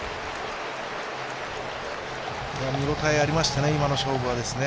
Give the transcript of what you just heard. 見応えありましたね、今の勝負は。